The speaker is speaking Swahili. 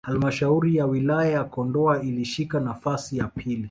Halmshauri ya Wilaya ya Kondoa ilishika nafasi ya pili